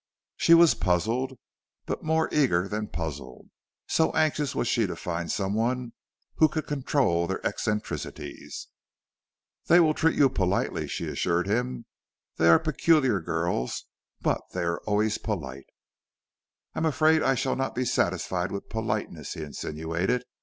She was puzzled, but more eager than puzzled, so anxious was she to find some one who could control their eccentricities. "They will treat you politely," she assured him. "They are peculiar girls, but they are always polite." "I am afraid I shall not be satisfied with politeness," he insinuated.